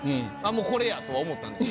もう「これや」とは思ったんです